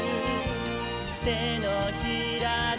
「てのひらで」